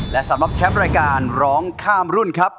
และสำหรับแชมป์รายการร้องข้ามรุ่นครับ